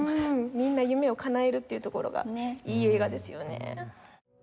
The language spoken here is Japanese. みんな夢をかなえるっていうところがいい映画ですよね。